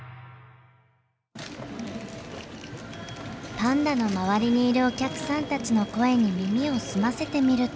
パンダの周りにいるお客さんたちの声に耳を澄ませてみると。